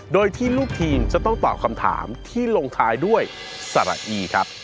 โดยที่ลูกทีมจะต้องตอบคำถามที่ลงท้ายด้วยสระอีครับ